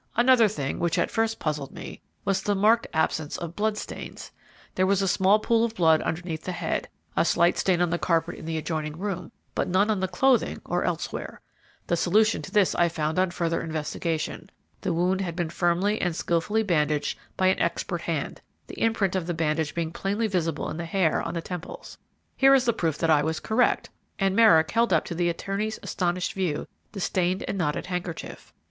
Another thing, which at first puzzled me, was the marked absence of blood stains. There was a small pool of blood underneath the head, a slight stain on the carpet in the adjoining room, but none on the clothing or elsewhere. The solution to this I found on further investigation. The wound had been firmly and skillfully bandaged by an expert hand, the imprint of the bandage being plainly visible in the hair on the temples. Here is the proof that I was correct," and Merrick held up to the attorney's astonished view the stained and knotted handkerchief.